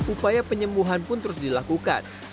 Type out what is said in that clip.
upaya penyembuhan pun terus dilakukan